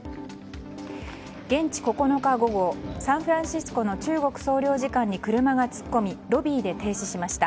現地９日午後サンフランシスコの中国総領事館に車が突っ込みロビーで停止しました。